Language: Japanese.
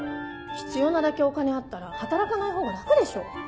必要なだけお金あったら働かないほうが楽でしょ？